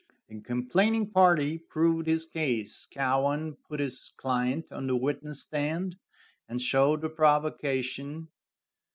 The complaining party proved his case. Cowan put his client on the witness stand, and showed the provocation.